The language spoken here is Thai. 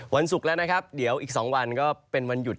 ศุกร์แล้วนะครับเดี๋ยวอีก๒วันก็เป็นวันหยุด